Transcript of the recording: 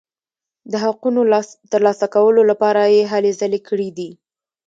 د حقونو ترلاسه کولو لپاره یې هلې ځلې کړي دي.